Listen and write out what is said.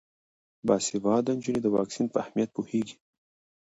باسواده نجونې د واکسین په اهمیت پوهیږي.